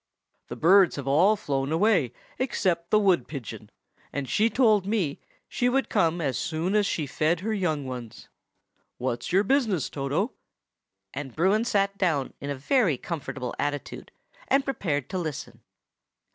The birds have all flown away except the wood pigeon, and she told me she would come as soon as she had fed her young ones. What's your business, Toto?" and Bruin sat down in a very comfortable attitude, and prepared to listen.